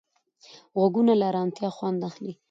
غوږونه له ارامتیا خوند اخلي